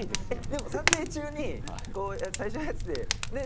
でも撮影中にこう最初のやつでね